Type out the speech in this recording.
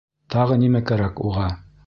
Тағы нимә кәрәк уға?!